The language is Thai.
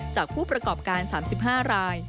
ผู้ประกอบการ๓๕ราย